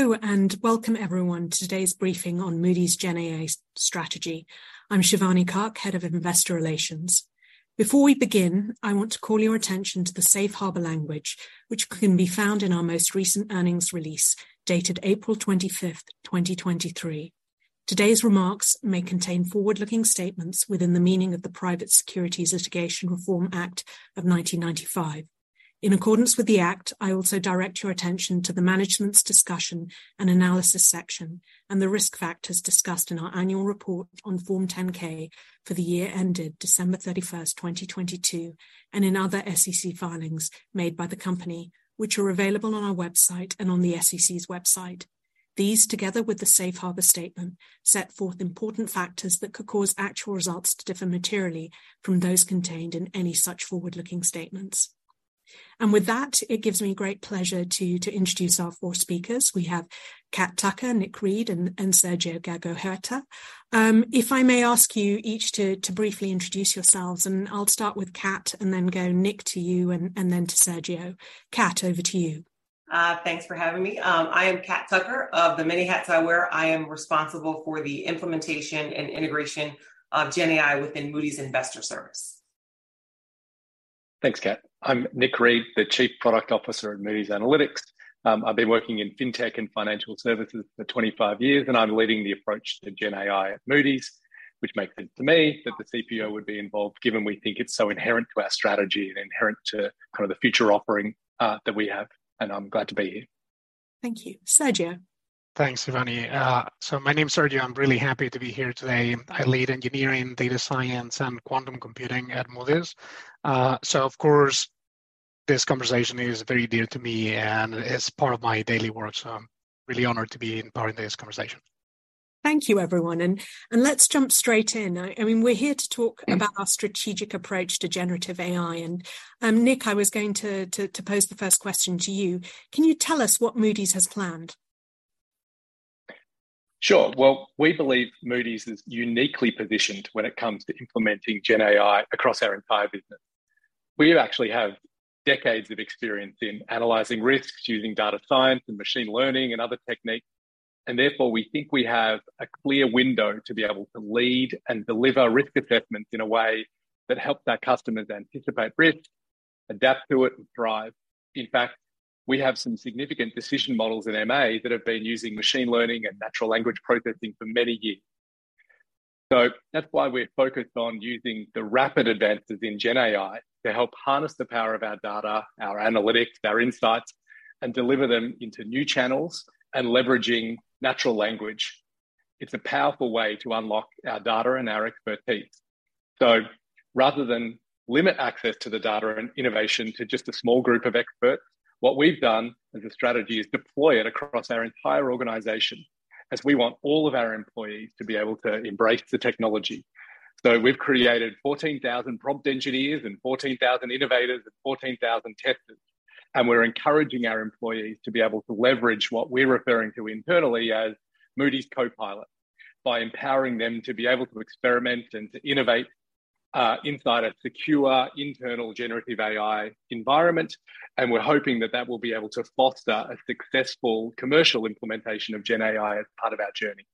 Hello, and welcome, everyone, to today's briefing on Moody's GenAI strategy. I'm Shivani Kak, Head of Investor Relations. Before we begin, I want to call your attention to the safe harbor language, which can be found in our most recent earnings release, dated April 25th, 2023. Today's remarks may contain forward-looking statements within the meaning of the Private Securities Litigation Reform Act of 1995. In accordance with the act, I also direct your attention to the management's discussion and analysis section, and the risk factors discussed in our annual report on Form 10-K for the year ended December 31st, 2022, and in other SEC filings made by the company, which are available on our website and on the SEC's website. These, together with the safe harbor statement, set forth important factors that could cause actual results to differ materially from those contained in any such forward-looking statements. With that, it gives me great pleasure to introduce our four speakers. We have Cat Tucker, Nick Reed, and Sergio Gago Huerta. If I may ask you each to briefly introduce yourselves, and I'll start with Cat, and then go Nick, to you, and then to Sergio. Cat, over to you. Thanks for having me. I am Cat Tucker. Of the many hats I wear, I am responsible for the implementation and integration of GenAI within Moody's Investors Service. Thanks, Cat. I'm Nick Reed, the chief product officer at Moody's Analytics. I've been working in fintech and financial services for 25 years, and I'm leading the approach to GenAI at Moody's, which makes sense to me that the CPO would be involved, given we think it's so inherent to our strategy and inherent to kind of the future offering, that we have, and I'm glad to be here. Thank you. Sergio? Thanks, Shivani. My name's Sergio. I'm really happy to be here today. I lead engineering, data science, and quantum computing at Moody's. Of course, this conversation is very dear to me and is part of my daily work I'm really honored to be in part in this conversation. Thank you, everyone, and let's jump straight in. I mean, we're here to talk. Mm About our strategic approach to generative AI, Nick, I was going to pose the first question to you. Can you tell us what Moody's has planned? Sure. Well, we believe Moody's is uniquely positioned when it comes to implementing GenAI across our entire business. We actually have decades of experience in analyzing risks using data science and machine learning and other techniques, and therefore, we think we have a clear window to be able to lead and deliver risk assessments in a way that help our customers anticipate risk, adapt to it, and thrive. In fact, we have some significant decision models in MA that have been using machine learning and natural language processing for many years. That's why we're focused on using the rapid advances in GenAI to help harness the power of our data, our analytics, our insights, and deliver them into new channels, and leveraging natural language. It's a powerful way to unlock our data and our expertise. Rather than limit access to the data and innovation to just a small group of experts, what we've done as a strategy is deploy it across our entire organization, as we want all of our employees to be able to embrace the technology. We've created 14,000 prompt engineers and 14,000 innovators and 14,000 testers, and we're encouraging our employees to be able to leverage what we're referring to internally as Moody's CoPilot, by empowering them to be able to experiment and to innovate inside a secure, internal generative AI environment. We're hoping that that will be able to foster a successful commercial implementation of GenAI as part of our journey.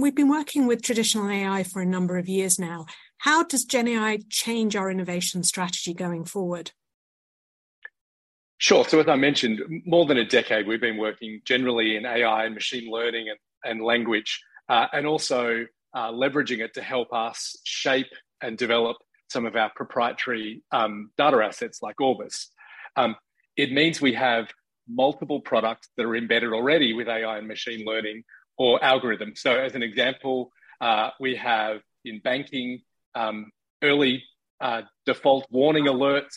We've been working with traditional AI for a number of years now. How does GenAI change our innovation strategy going forward? Sure. As I mentioned, more than a decade we've been working generally in AI and machine learning and language, and also leveraging it to help us shape and develop some of our proprietary data assets, like Orbis. It means we have multiple products that are embedded already with AI and machine learning or algorithms. As an example, we have, in banking, early default warning alerts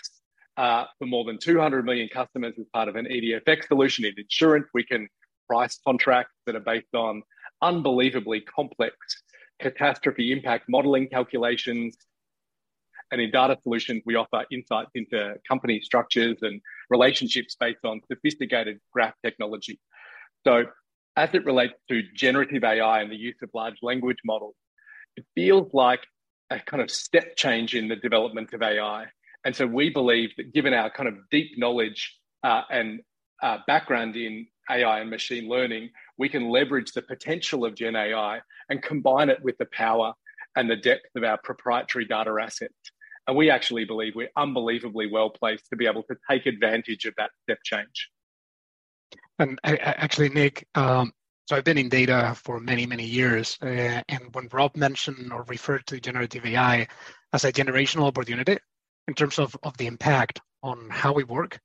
for more than 200 million customers as part of an EDF-X solution. In insurance, we can price contracts that are based on unbelievably complex catastrophe impact modeling calculations. In data solutions we offer insights into company structures and relationships based on sophisticated graph technology. As it relates to generative AI and the use of large language models, it feels like a kind of step change in the development of AI. We believe that given our kind of deep knowledge, and background in AI and machine learning, we can leverage the potential of GenAI and combine it with the power and the depth of our proprietary data assets. We actually believe we're unbelievably well placed to be able to take advantage of that step change. Actually, Nick, I've been in data for many, many years, and when Rob mentioned or referred to generative AI as a generational opportunity in terms of the impact on how we work,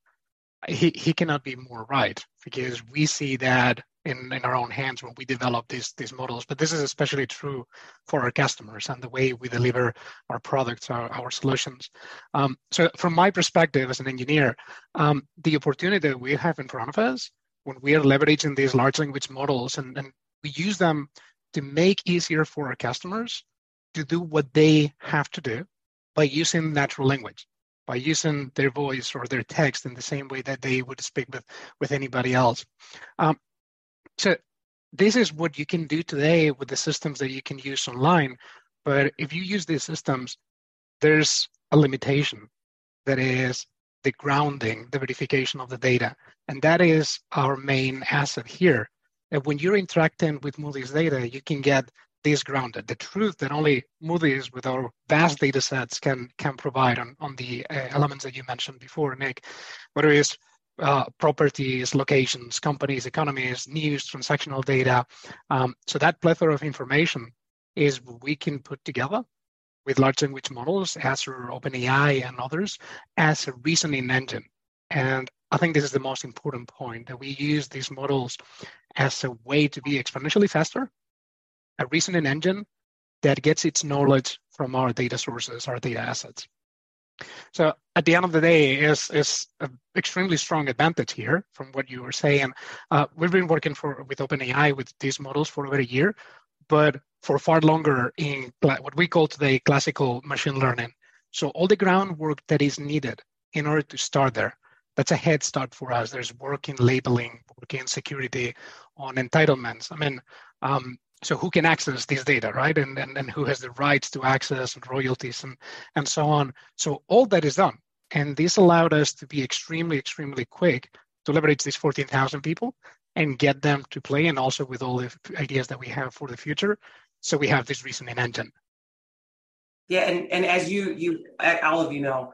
he cannot be more right. We see that in our own hands when we develop these models, but this is especially true for our customers and the way we deliver our products, our solutions. From my perspective as an engineer, the opportunity that we have in front of us when we are leveraging these large language models, and we use them to make easier for our customers to do what they have to do by using natural language, by using their voice or their text in the same way that they would speak with anybody else. This is what you can do today with the systems that you can use online. If you use these systems, there's a limitation. That is the grounding, the verification of the data, and that is our main asset here. When you're interacting with Moody's data, you can get this grounded, the truth, and only Moody's with our vast data sets can provide on the elements that you mentioned before, Nick. Whether it's properties, locations, companies, economies, news, transactional data. So that plethora of information is we can put together with large language models as are OpenAI and others, as a reasoning engine. I think this is the most important point, that we use these models as a way to be exponentially faster. A reasoning engine that gets its knowledge from our data sources, our data assets. At the end of the day, it's an extremely strong advantage here from what you were saying. We've been working with OpenAI, with these models for over a year, but for far longer in what we call today, classical machine learning. All the groundwork that is needed in order to start there, that's a head start for us. There's work in labeling, work in security, on entitlements. I mean, who can access this data, right? And who has the rights to access, and royalties, and so on. All that is done, and this allowed us to be extremely quick to leverage these 14,000 people and get them to play, and also with all the ideas that we have for the future. We have this reasoning engine. Yeah, and as you, as all of you know,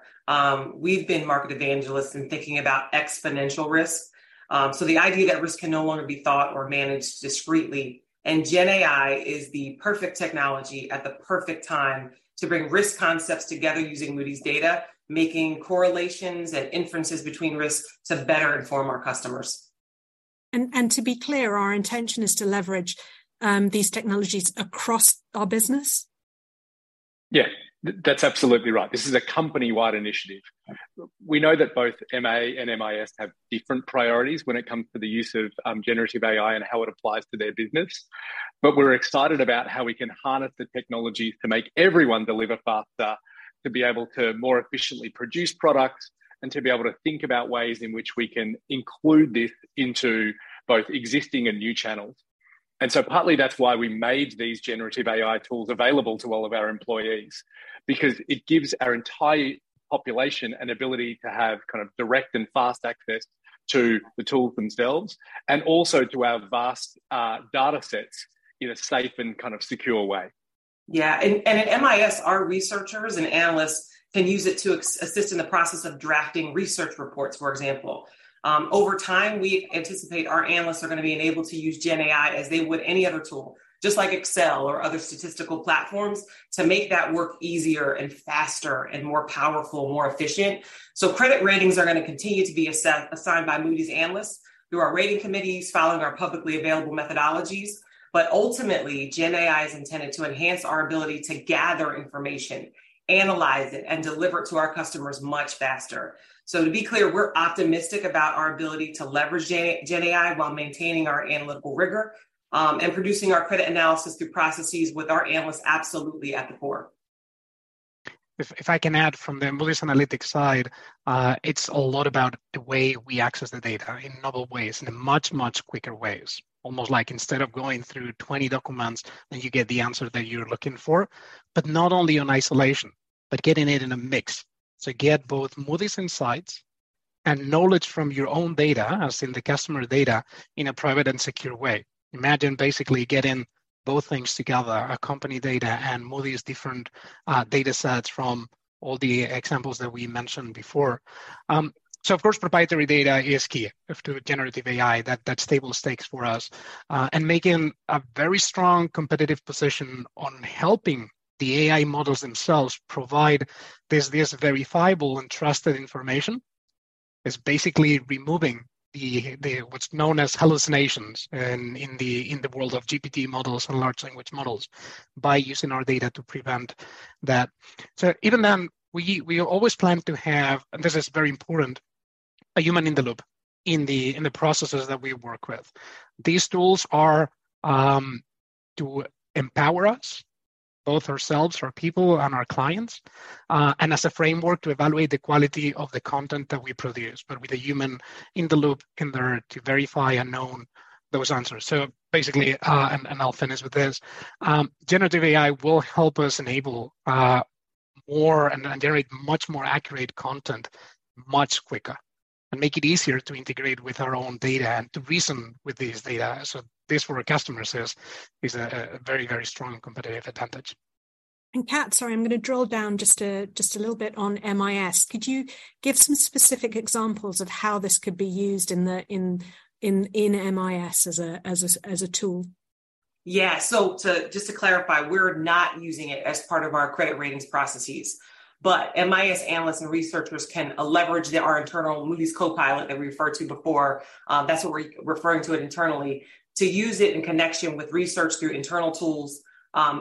we've been market evangelists in thinking about exponential risk. The idea that risk can no longer be thought or managed discreetly. GenAI is the perfect technology at the perfect time to bring risk concepts together using Moody's data, making correlations and inferences between risks to better inform our customers. To be clear, our intention is to leverage these technologies across our business. Yeah, that's absolutely right. This is a company wide initiative. We know that both MA and MIS have different priorities when it comes to the use of generative AI and how it applies to their business. We're excited about how we can harness the technology to make everyone deliver faster, to be able to more efficiently produce products, and to be able to think about ways in which we can include this into both existing and new channels. Partly that's why we made these generative AI tools available to all of our employees, because it gives our entire population an ability to have kind of direct and fast access to the tools themselves, and also to our vast datasets in a safe and kind of secure way. At MIS, our researchers and analysts can use it to assist in the process of drafting research reports, for example. Over time, we anticipate our analysts are going to be enabled to use GenAI as they would any other tool, just like Excel or other statistical platforms, to make that work easier and faster and more powerful, more efficient. Credit ratings are going to continue to be assigned by Moody's analysts through our rating committees, following our publicly available methodologies. Ultimately, GenAI is intended to enhance our ability to gather information, analyze it, and deliver it to our customers much faster. To be clear, we're optimistic about our ability to leverage GenAI while maintaining our analytical rigor and producing our credit analysis through processes with our analysts absolutely at the core. If I can add from the Moody's Analytics side, it's a lot about the way we access the data in novel ways in a much quicker ways. Almost like instead of going through 20 documents, and you get the answer that you're looking for, but not only in isolation, but getting it in a mix. Get both Moody's insights and knowledge from your own data, as in the customer data, in a private and secure way. Imagine basically getting both things together, a company data and Moody's different datasets from all the examples that we mentioned before. Of course, proprietary data is key to generative AI. That's table stakes for us. Making a very strong competitive position on helping the AI models themselves provide this verifiable and trusted information, is basically removing the what's known as hallucinations in the world of GPT models and large language models, by using our data to prevent that. Even then, we always plan to have, and this is very important, a human in the loop in the processes that we work with. These tools are to empower us, both ourselves, our people and our clients, and as a framework to evaluate the quality of the content that we produce, but with a human in the loop in there to verify and know those answers. Basically, and I'll finish with this. Generative AI will help us enable more and very much more accurate content much quicker, and make it easier to integrate with our own data and to reason with these data. This for our customers is a very strong competitive advantage. Cat, sorry, I'm gonna drill down just a little bit on MIS. Could you give some specific examples of how this could be used in MIS as a tool? Just to clarify, we're not using it as part of our credit ratings processes. MIS analysts and researchers can leverage our internal Moody's CoPilot that we referred to before, that's what we're referring to it internally, to use it in connection with research through internal tools.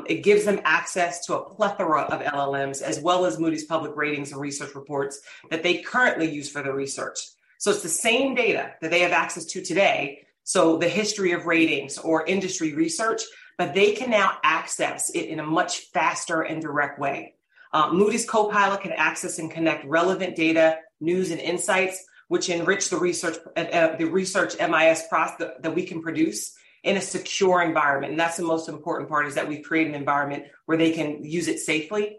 It gives them access to a plethora of LLMs, as well as Moody's public ratings and research reports that they currently use for their research. It's the same data that they have access to today, the history of ratings or industry research, they can now access it in a much faster and direct way. Moody's CoPilot can access and connect relevant data, news, and insights, which enrich the research MIS that we can produce in a secure environment. That's the most important part, is that we've created an environment where they can use it safely.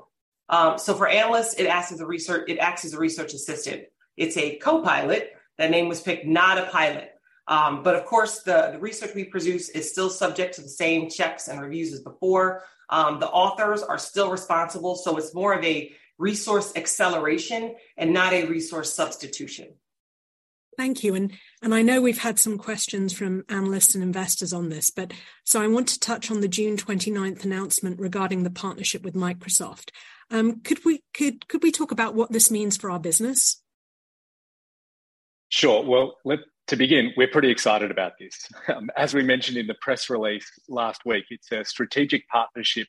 For analysts, it acts as a Research Assistant. It's a CoPilot. That name was picked, not a pilot. Of course, the research we produce is still subject to the same checks and reviews as before. The authors are still responsible, so it's more of a resource acceleration and not a resource substitution. Thank you. I know we've had some questions from analysts and investors on this, I want to touch on the June 29th announcement regarding the partnership with Microsoft. Could we talk about what this means for our business? Sure. Well, to begin, we're pretty excited about this. As we mentioned in the press release last week, it's a strategic partnership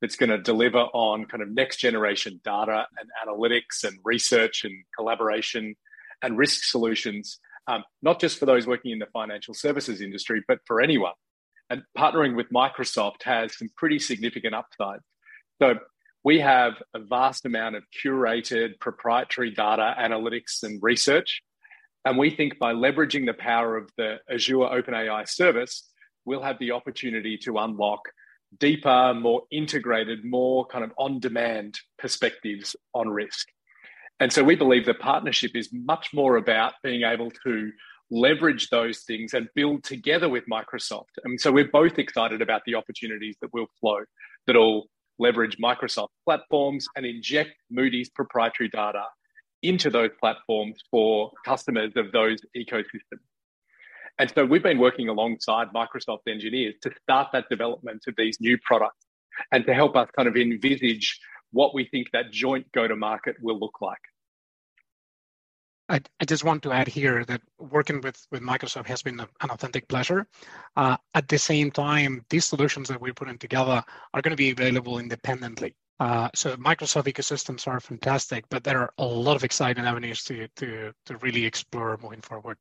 that's gonna deliver on kind of next-generation data and analytics, and research, and collaboration, and risk solutions. Not just for those working in the financial services industry, but for anyone. Partnering with Microsoft has some pretty significant upside. We have a vast amount of curated proprietary data, analytics, and research, and we think by leveraging the power of the Azure OpenAI Service, we'll have the opportunity to unlock deeper, more integrated, more kind of on demand perspectives on risk. We believe the partnership is much more about being able to leverage those things and build together with Microsoft. We're both excited about the opportunities that will flow, that'll leverage Microsoft platforms and inject Moody's proprietary data into those platforms for customers of those ecosystems. We've been working alongside Microsoft engineers to start that development of these new products and to help us kind of envisage what we think that joint go to market will look like. I just want to add here that working with Microsoft has been an authentic pleasure. At the same time, these solutions that we're putting together are gonna be available independently. Microsoft ecosystems are fantastic, but there are a lot of exciting avenues to really explore going forward.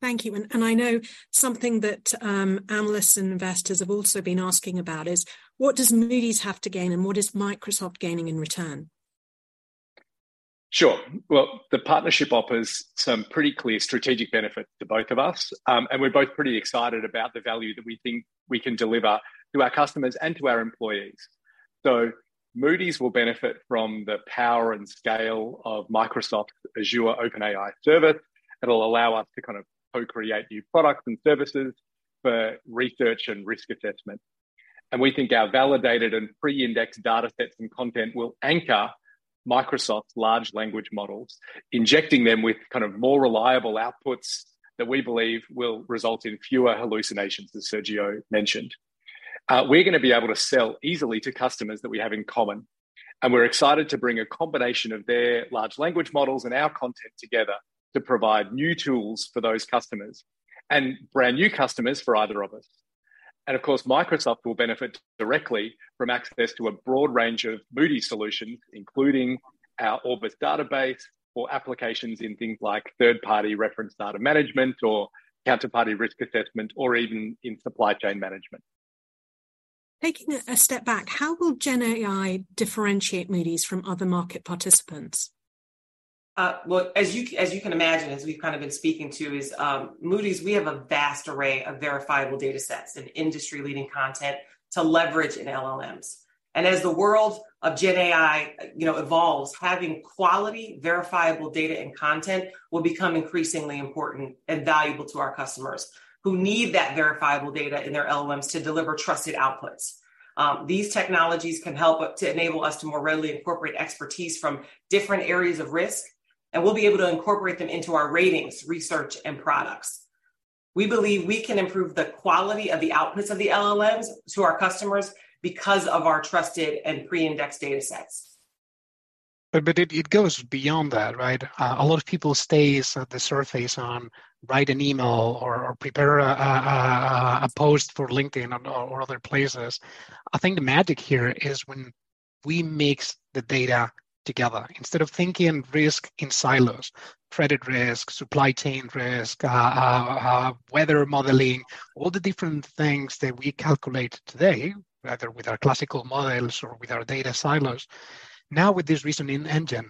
Thank you. I know something that, analysts and investors have also been asking about is: What does Moody's have to gain, and what is Microsoft gaining in return? Sure. The partnership offers some pretty clear strategic benefit to both of us. We're both pretty excited about the value that we think we can deliver to our customers and to our employees. Moody's will benefit from the power and scale of Microsoft's Azure OpenAI Service. It'll allow us to kind of co-create new products and services for research and risk assessment. We think our validated and pre-indexed datasets and content will anchor Microsoft's large language models, injecting them with kind of more reliable outputs that we believe will result in fewer hallucinations, as Sergio mentioned. We're gonna be able to sell easily to customers that we have in common, and we're excited to bring a combination of their large language models and our content together to provide new tools for those customers, and brand-new customers for either of us. Of course, Microsoft will benefit directly from access to a broad range of Moody's solutions, including our Orbis database or applications in things like third party reference data management or counterparty risk assessment, or even in supply chain management. Taking a step back, how will GenAI differentiate Moody's from other market participants? Well, as you can imagine, as we've kind of been speaking to, is Moody's, we have a vast array of verifiable datasets and industry-leading content to leverage in LLMs. As the world of GenAI, you know, evolves, having quality, verifiable data and content will become increasingly important and valuable to our customers who need that verifiable data in their LLMs to deliver trusted outputs. These technologies can help us to enable us to more readily incorporate expertise from different areas of risk, and we'll be able to incorporate them into our ratings, research, and products. We believe we can improve the quality of the outputs of the LLMs to our customers because of our trusted and pre-indexed datasets. It goes beyond that, right? A lot of people stays at the surface on write an email or prepare a post for LinkedIn or other places. I think the magic here is when we mix the data together. Instead of thinking risk in silos, credit risk, supply chain risk, weather modeling, all the different things that we calculate today, whether with our classical models or with our data silos, now, with this reasoning engine,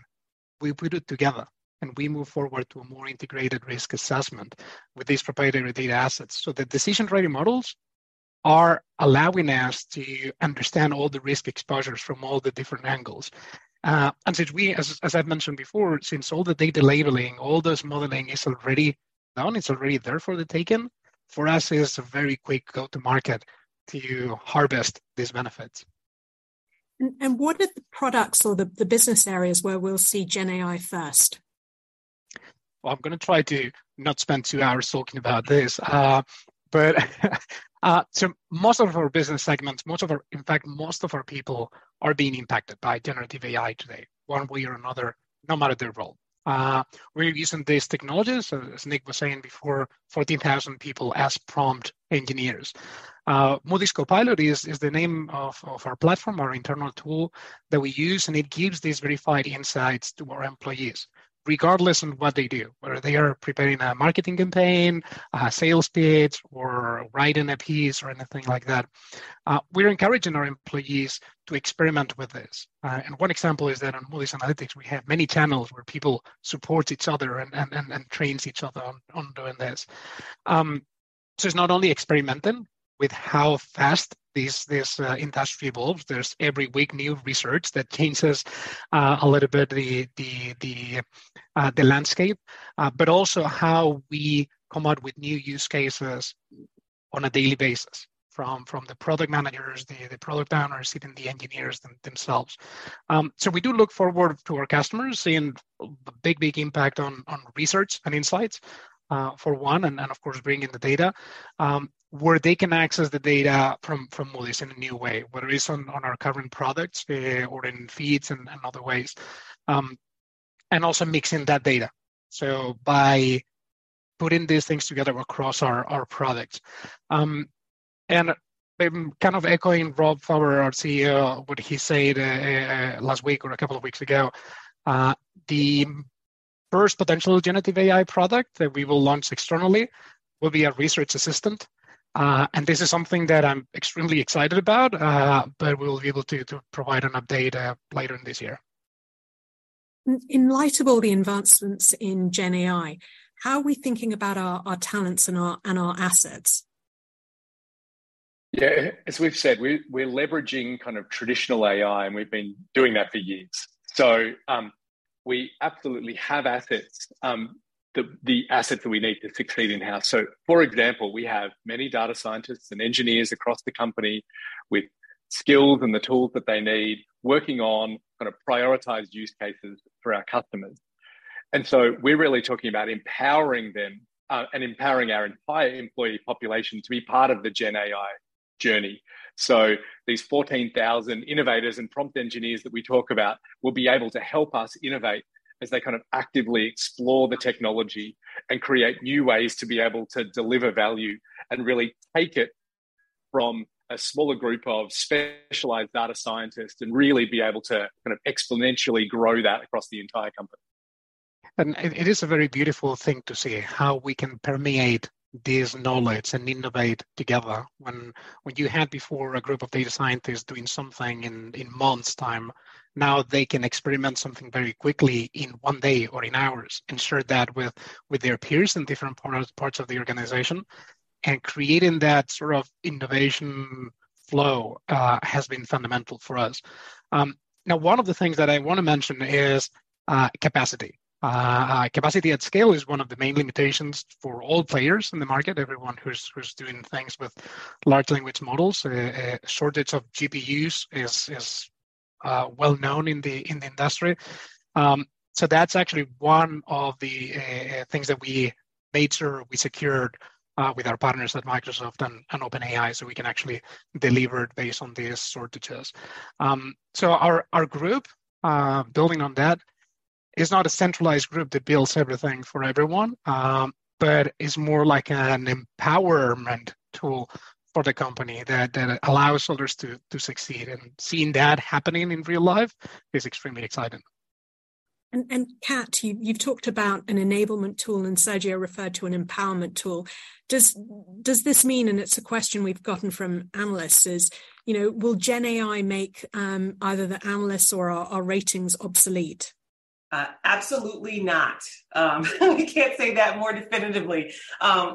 we put it together, and we move forward to a more integrated risk assessment with these proprietary data assets. The decision-ready models are allowing us to understand all the risk exposures from all the different angles. Since we… As I've mentioned before, since all the data labeling, all this modeling is already done, it's already there for the taking, for us, it's a very quick go-to-market to harvest these benefits. What are the products or the business areas where we'll see GenAI first? I'm gonna try to not spend two hours talking about this. Most of our business segments, in fact, most of our people are being impacted by generative AI today, one way or another, no matter their role. We're using these technologies, as Nick was saying before, 14,000 people as prompt engineers. Moody's CoPilot is the name of our platform, our internal tool that we use, and it gives these verified insights to our employees, regardless of what they do, whether they are preparing a marketing campaign, a sales pitch, or writing a piece or anything like that. We're encouraging our employees to experiment with this, and one example is that on Moody's Analytics, we have many channels where people support each other and trains each other on doing this. It's not only experimenting with how fast this industry evolves. There's every week new research that changes a little bit the landscape, but also how we come out with new use cases on a daily basis from the product managers, the product owners, even the engineers themselves. We do look forward to our customers seeing a big impact on research and insights for one, and then, of course, bringing the data where they can access the data from Moody's in a new way, whether it's on our current products or in feeds and other ways. Also mixing that data. By putting these things together across our products. I'm kind of echoing Rob Fauber, our CEO, what he said last week or a couple of weeks ago, the first potential generative AI product that we will launch externally will be a Research Assistant. This is something that I'm extremely excited about, but we'll be able to provide an update later in this year. In light of all the advancements in GenAI, how are we thinking about our talents and our assets? Yeah. As we've said, we're leveraging kind of traditional AI, and we've been doing that for years. We absolutely have assets, the assets that we need to succeed in-house. For example, we have many data scientists and engineers across the company with skills and the tools that they need, working on kind of prioritized use cases for our customers. We're really talking about empowering them, and empowering our entire employee population to be part of the GenAI journey. These 14,000 innovators and prompt engineers that we talk about will be able to help us innovate as they kind of actively explore the technology and create new ways to be able to deliver value. Really take it from a smaller group of specialized data scientists, and really be able to kind of exponentially grow that across the entire company. It is a very beautiful thing to see how we can permeate this knowledge and innovate together. When you had before a group of data scientists doing something in months' time, now they can experiment something very quickly in one day or in hours, and share that with their peers in different parts of the organization. Creating that sort of innovation flow has been fundamental for us. Now, one of the things that I wanna mention is capacity. Capacity at scale is one of the main limitations for all players in the market, everyone who's doing things with large language models. A shortage of GPUs is well known in the industry. That's actually one of the things that we made sure we secured with our partners at Microsoft and OpenAI, so we can actually deliver it based on these shortages. Our group, building on that, is not a centralized group that builds everything for everyone, but is more like an empowerment tool for the company that allows others to succeed. Seeing that happening in real life is extremely exciting. Cat, you've talked about an enablement tool, and Sergio referred to an empowerment tool. Does this mean, and it's a question we've gotten from analysts, is, you know, will GenAI make either the analysts or our ratings obsolete? Absolutely not. We can't say that more definitively.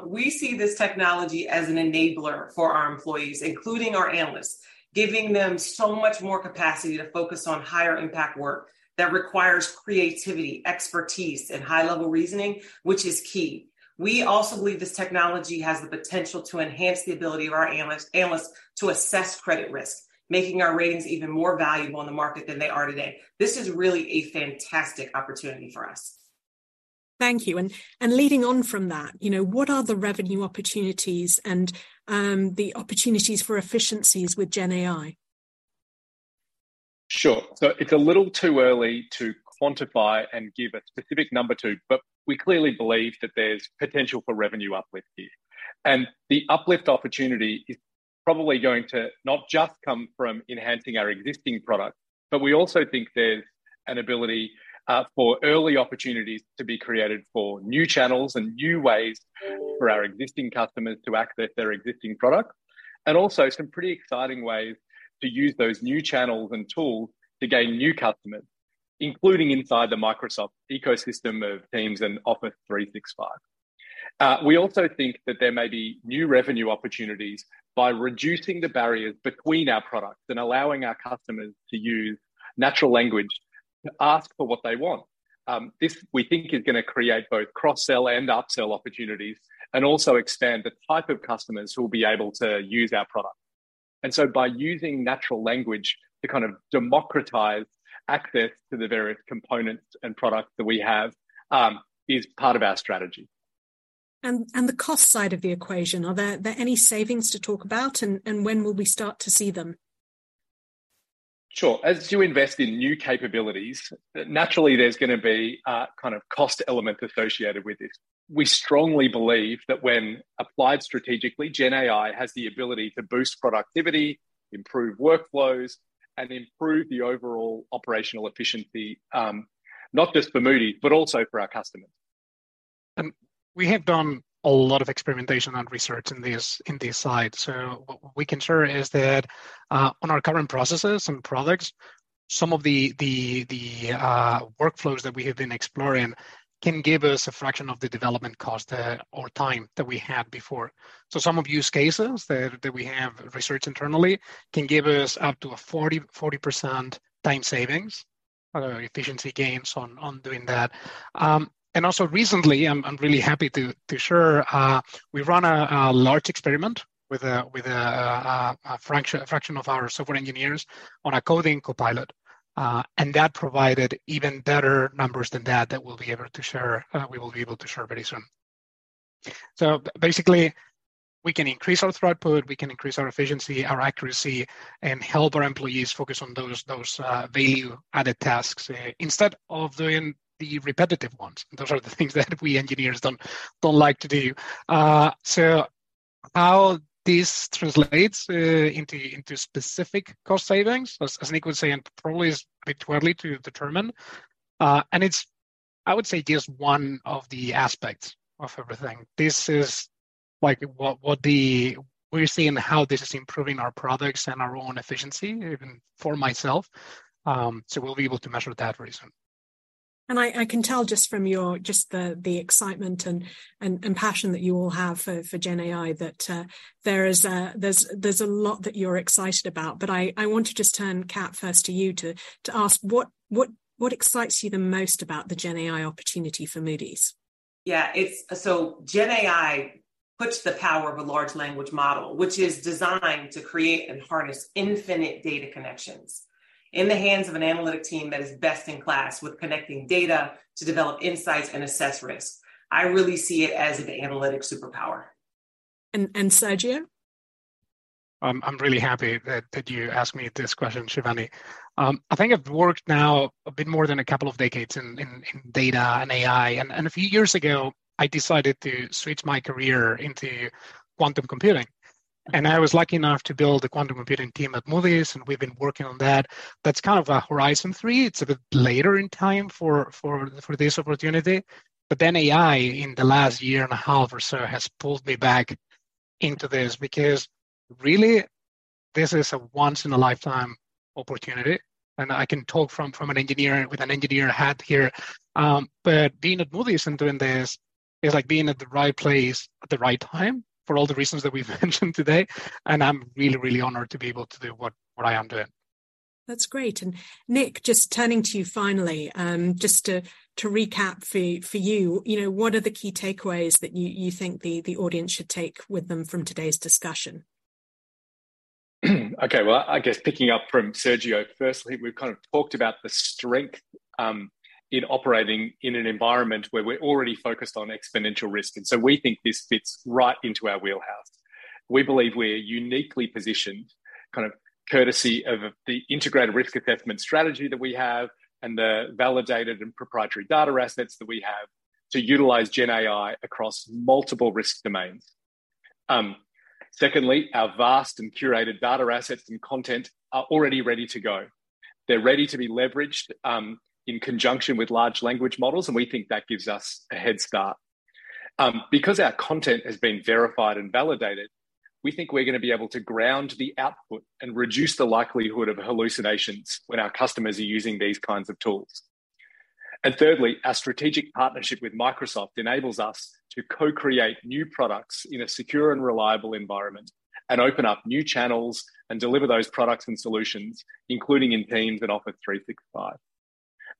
We see this technology as an enabler for our employees, including our analysts, giving them so much more capacity to focus on higher impact work that requires creativity, expertise, and high level reasoning, which is key. We also believe this technology has the potential to enhance the ability of our analysts to assess credit risk, making our ratings even more valuable in the market than they are today. This is really a fantastic opportunity for us. Thank you. Leading on from that, you know, what are the revenue opportunities and the opportunities for efficiencies with GenAI? Sure. It's a little too early to quantify and give a specific number to, but we clearly believe that there's potential for revenue uplift here. The uplift opportunity is probably going to not just come from enhancing our existing products, but we also think there's an ability for early opportunities to be created for new channels and new ways for our existing customers to access their existing products. Also some pretty exciting ways to use those new channels and tools to gain new customers, including inside the Microsoft ecosystem of Teams and Office 365. We also think that there may be new revenue opportunities by reducing the barriers between our products and allowing our customers to use natural language to ask for what they want. This, we think, is gonna create both cross-sell and upsell opportunities and also expand the type of customers who will be able to use our product. By using natural language to kind of democratize access to the various components and products that we have is part of our strategy. The cost side of the equation are there any savings to talk about, and when will we start to see them? Sure. As you invest in new capabilities, naturally, there's gonna be a kind of cost element associated with this. We strongly believe that when applied strategically, GenAI has the ability to boost productivity, improve workflows, and improve the overall operational efficiency, not just for Moody's, but also for our customers. We have done a lot of experimentation and research in this, in this side. What we consider is that on our current processes and products, some of the workflows that we have been exploring can give us a fraction of the development cost or time that we had before. Some of use cases that we have researched internally can give us up to a 40% time savings or efficiency gains on doing that. Also recently, I'm really happy to share, we've run a large experiment with a fraction of our software engineers on a coding copilot. That provided even better numbers than that we'll be able to share, we will be able to share very soon. Basically, we can increase our throughput, we can increase our efficiency, our accuracy, and help our employees focus on those value-added tasks instead of doing the repetitive ones. Those are the things that we engineers don't like to do. How this translates into specific cost savings, as Nick would say, it probably is a bit too early to determine. It's, I would say, just one of the aspects of everything. This is like, We're seeing how this is improving our products and our own efficiency, even for myself. We'll be able to measure that very soon. I can tell just from your, just the excitement and passion that you all have for GenAI, that there is a lot that you're excited about. I want to just turn, Cat, first to you to ask what excites you the most about the GenAI opportunity for Moody's? GenAI puts the power of a large language model, which is designed to create and harness infinite data connections, in the hands of an analytic team that is best-in-class with connecting data to develop insights and assess risk. I really see it as an analytic superpower. Sergio? I'm really happy that you asked me this question, Shivani. I think I've worked now a bit more than a couple of decades in data and AI, and a few years ago, I decided to switch my career into quantum computing. I was lucky enough to build a quantum computing team at Moody's, and we've been working on that. That's kind of a horizon three. It's a bit later in time for this opportunity. AI, in the last year and a half or so, has pulled me back into this, because really, this is a once in a lifetime opportunity. I can talk from an engineer, with an engineer hat here. Being at Moody's and doing this is like being at the right place at the right time, for all the reasons that we've mentioned today and I'm really, really honored to be able to do what I am doing. That's great. Nick, just turning to you finally, just to recap for you know, what are the key takeaways that you think the audience should take with them from today's discussion? Okay, well, I guess picking up from Sergio, firstly, we've kind of talked about the strength in operating in an environment where we're already focused on exponential risk. We think this fits right into our wheelhouse. We believe we're uniquely positioned, kind of courtesy of the integrated risk assessment strategy that we have and the validated and proprietary data assets that we have, to utilize GenAI across multiple risk domains. Secondly, our vast and curated data assets and content are already ready to go. They're ready to be leveraged in conjunction with large language models. We think that gives us a head start. Because our content has been verified and validated, we think we're gonna be able to ground the output and reduce the likelihood of hallucinations when our customers are using these kinds of tools. Thirdly, our strategic partnership with Microsoft enables us to co-create new products in a secure and reliable environment, and open up new channels, and deliver those products and solutions, including in Teams and Office 365.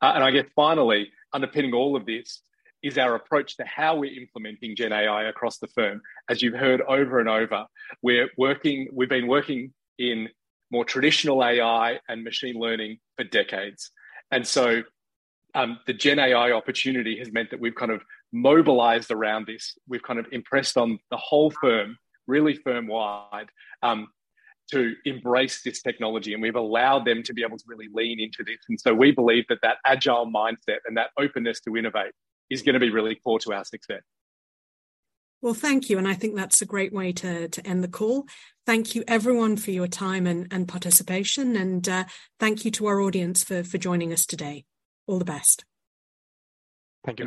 I guess finally, underpinning all of this is our approach to how we're implementing GenAI across the firm. As you've heard over and over, we've been working in more traditional AI and machine learning for decades, the GenAI opportunity has meant that we've kind of mobilized around this. We've kind of impressed on the whole firm, really firm wide, to embrace this technology, and we've allowed them to be able to really lean into this. We believe that that agile mindset and that openness to innovate is gonna be really core to our success. Well, thank you. I think that's a great way to end the call. Thank you everyone for your time and participation. Thank you to our audience for joining us today. All the best. Thank you.